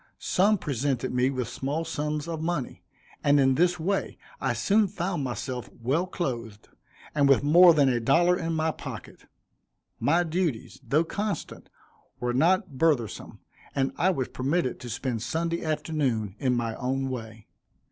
Some presented me with small sums of money, and in this way I soon found myself well clothed, and with more than a dollar in my pocket. My duties, though constant, were not burthensome, and I was permitted to spend Sunday afternoon in my own way.